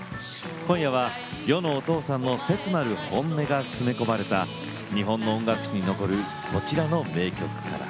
今夜は世のお父さんの切なる本音が詰め込まれた日本の音楽史に残るこちらの名曲から。